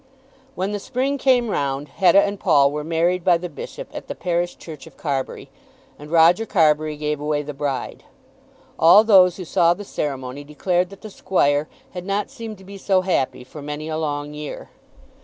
When the spring came round, Hetta and Paul were married by the Bishop at the parish church of Carbury, and Roger Carbury gave away the bride. All those who saw the ceremony declared that the squire had not seemed to be so happy for many a long year.